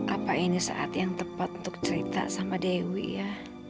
apa ini saat yang tepat untuk cerita sama dewi ya